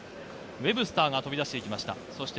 ウェブスターが飛び出していきました。